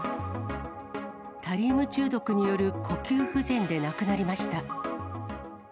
タリウム中毒による呼吸不全で亡くなりました。